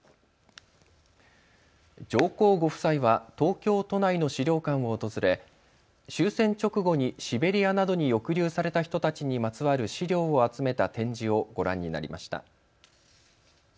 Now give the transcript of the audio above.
上皇ご夫妻は東京都内の資料館を訪れ、終戦直後にシベリアなどに抑留された人たちにまつわる資料を集めた展示をご覧になりました。